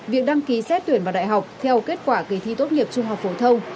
việc đăng ký xét tuyển vào đại học theo kết quả kỳ thi tốt nghiệp trung học phổ thông